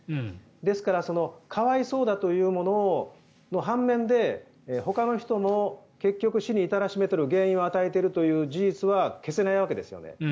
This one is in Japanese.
ですから可哀想だというものの半面でほかの人の結局、死に至らしめている原因を与えているという事実は消せないわけですね。